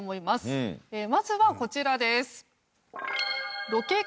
まずはこちらです。